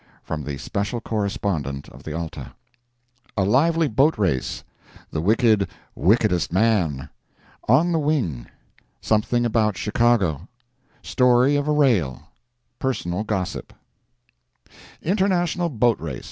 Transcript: [FROM THE SPECIAL CORRESPONDENT OF THE ALTA] A Lively Boat Race—The Wicked "Wickedest Man"—On the Wing—Something About Chicago—Story of a Rail—Personal Gossip International Boat Race.